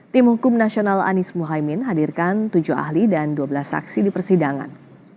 tim hukum nasional anies mohaimin hadirkan tujuh ahli dan dua belas saksi di persidangan